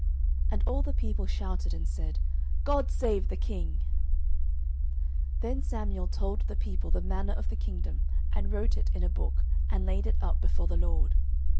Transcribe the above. And all the people shouted, and said, God save the king. 09:010:025 Then Samuel told the people the manner of the kingdom, and wrote it in a book, and laid it up before the LORD.